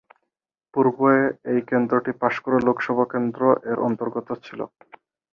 পূর্বে এই কেন্দ্রটি পাঁশকুড়া লোকসভা কেন্দ্র এর অন্তর্গত ছিল।